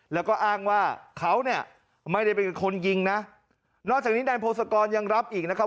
แล้วก็อ้างว่าเขาเนี่ยไม่ได้เป็นคนยิงนะนอกจากนี้นายพงศกรยังรับอีกนะครับ